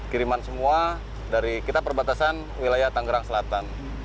kiriman semua dari kita perbatasan wilayah tanggerang selatan